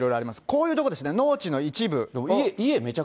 こういう所ですね、農地の一部。